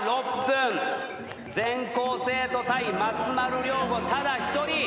全校生徒対松丸亮吾ただ一人。